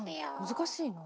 難しいな。